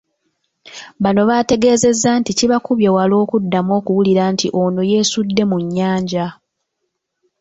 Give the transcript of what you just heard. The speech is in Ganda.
Bano bategeezezza nti kibakubye wala okuddamu okuwulira nti ono yeesudde mu nnyanja.